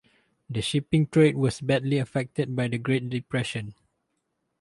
The shipping trade was badly affected by the Great Depression.